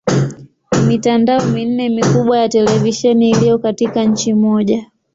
Ni mitandao minne mikubwa ya televisheni iliyo katika nchi moja.